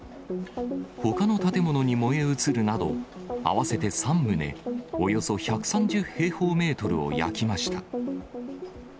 ほかの建物に燃え移るなど、合わせて３棟、およそ１３０平方メートルを焼きました。